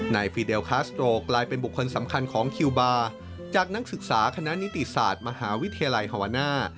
ฟีเดลคาสโตรกลายเป็นบุคคลสำคัญของคิวบาร์จากนักศึกษาคณะนิติศาสตร์มหาวิทยาลัยฮอวาน่า